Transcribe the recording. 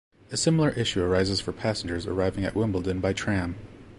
A similar issue arises for passengers arriving at Wimbledon by tram.